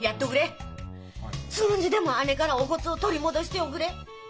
すぐにでも姉からお骨を取り戻しておぐれ！